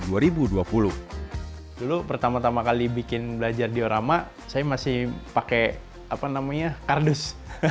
dulu pertama tama kali bikin belajar diorama saya masih pakai kardus